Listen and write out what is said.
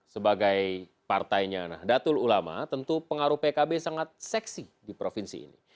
sebagai partainya nahdlatul ulama tentu pengaruh pkb sangat seksi di provinsi ini